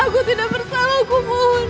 aku tidak bersalah kumohon